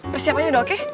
persiapannya udah oke